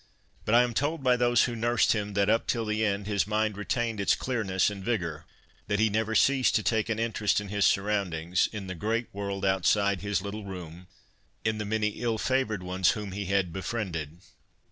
But I am told by those who nursed him that up till the end his mind retained its clear ness and vigour ; that he never ceased to take an interest in his surroundings, in the great world outside his little room, in the many ill favoured ones whom he had befriended.